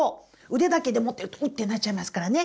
腕だけで持ってるとウッてなっちゃいますからね。